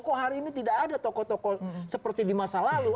kok hari ini tidak ada tokoh tokoh seperti di masa lalu